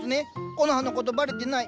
コノハのことバレてない。